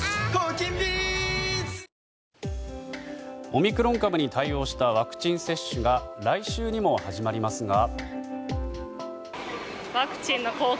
オミクロン株に対応したワクチン接種が来週にも始まりますが。